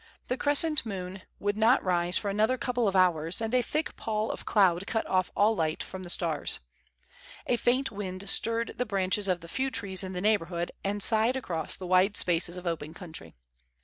The crescent moon would not rise for another couple of hours, and a thick pall of cloud cut off all light from the stars. A faint wind stirred the branches of the few trees in the neighborhood and sighed across the wide spaces of open country.